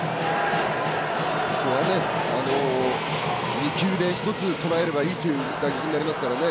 ２球で一つとらえればいいという打撃になりますからね。